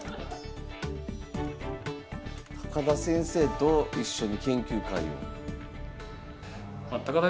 田先生と一緒に研究会を。